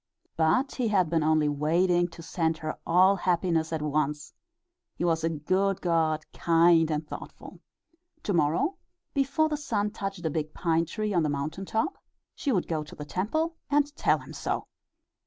But he had been only waiting to send all her happiness at once he was a good god, kind and thoughtful. To morrow, before the sun touched the big pine tree on the mountain top, she would go to the temple and tell him so.